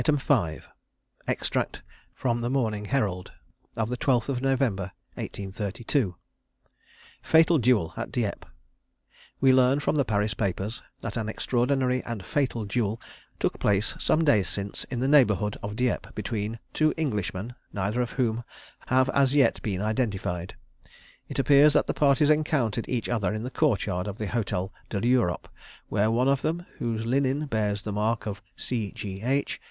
5. Extract from the "Morning Herald," of the 12th of November, 1832. "Fatal Duel at Dieppe. We learn from the Paris papers, that an extraordinary and fatal duel took place some days since in the neighbourhood of Dieppe, between two Englishmen, neither of whom have as yet been identified. It appears that the parties encountered each other in the court yard of the Hotel de l'Europe, where one of them, whose linen bears the mark of C. G. H.